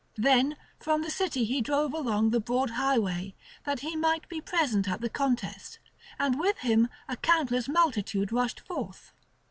Then from the city he drove along the broad highway, that he might be present at the contest; and with him a countless multitude rushed forth.